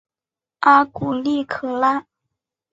阿古利可拉。